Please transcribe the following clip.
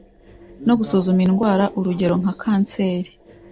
no gusuzuma indwara, urugero nka kanseri.